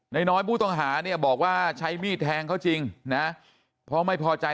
น้อยผู้ต้องหาเนี่ยบอกว่าใช้มีดแทงเขาจริงนะเพราะไม่พอใจ